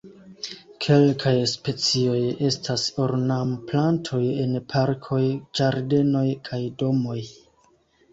Kelkaj specioj estas ornamplantoj en parkoj, ĝardenoj kaj domoj.